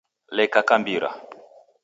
Leka kambira